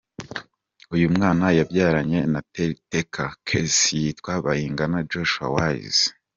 Uyu mwana yabyaranye na Teriteka Kezie, yitwa Bayingana Joshua Wise.